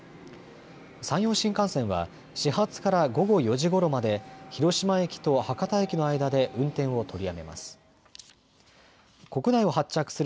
山陽新幹線は始発から午後４時ごろまで広島駅と博多駅の間で運転を取りやめます。